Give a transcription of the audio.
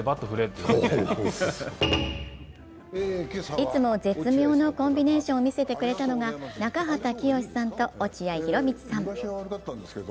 いつも絶妙のコンビネーションを見せてくれたのが、中畑清さんと落合博満さん。